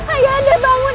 ayah anda bangun